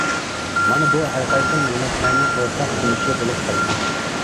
مانا بۇ ھەرقايسى مىللەتلەرنىڭ ئورتاق تونۇشى بولۇپ قالغان.